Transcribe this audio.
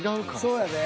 そうやで。